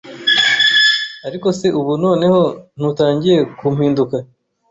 Ariko se ubu noneho ntutangiye kumpinduka